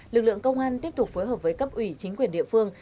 lực lượng công an tiếp tục phối hợp với cấp ủy chính quyền địa phương